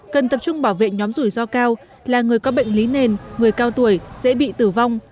cần tập trung bảo vệ nhóm rủi ro cao là người có bệnh lý nền người cao tuổi dễ bị tử vong